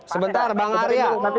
sebentar bang arya